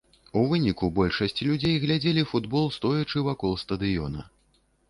У выніку большасць людзей глядзелі футбол, стоячы вакол стадыёна.